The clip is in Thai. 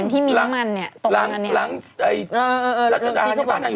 แต่หนูเคยเห็นที่มีน้ำมันเนี่ย